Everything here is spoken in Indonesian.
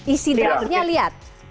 isi draftnya lihat